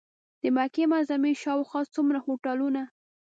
د مکې معظمې شاوخوا څومره هوټلونه.